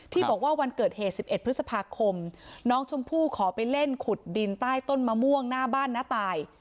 บอกว่าวันเกิดเหตุ๑๑พฤษภาคมน้องชมพู่ขอไปเล่นขุดดินใต้ต้นมะม่วงหน้าบ้านน้าตาย